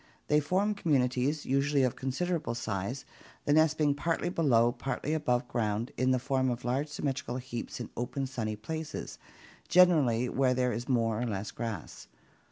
They form communities, usually of considerable size, the nests being partly below, partly above ground in the form of large symmetrical heaps in open sunny places, generally where there is more or less grass.